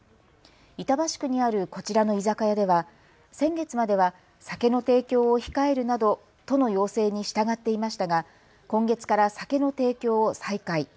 板橋区にあるこちらの居酒屋では先月までは酒の提供を控えるなど都の要請に従っていましたが今月から酒の提供を再開。